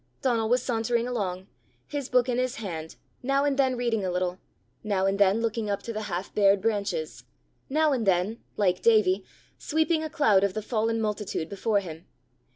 Donal was sauntering along, his book in his hand, now and then reading a little, now and then looking up to the half bared branches, now and then, like Davie, sweeping a cloud of the fallen multitude before him.